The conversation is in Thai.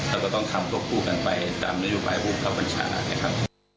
เราก็ต้องทำพวกผู้กันไปสามนิวไฟล์พวกเขาเป็นฉานะครับ